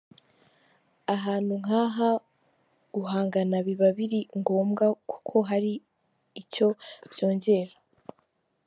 Ahantu nk’aha guhangana biba biri ngombwa kuko hari icyo byongera.